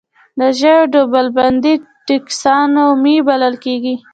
د ژویو ډلبندي ټکسانومي بلل کیږي